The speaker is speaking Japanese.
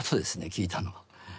聴いたのは。